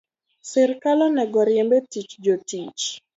Sirkal onego riemb e tich jotich